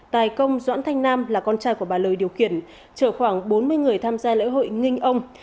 tài công doãn thanh nam là con trai của bà lời điều khiển chở khoảng bốn mươi người tham gia lễ hội nginh ông